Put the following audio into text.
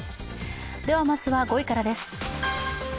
では、まずは５位からです。